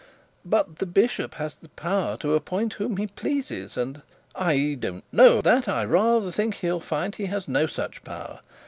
'But the bishop has the power to appoint whom he pleases, and ' 'I don't know that; I rather think he'll find he has no such power.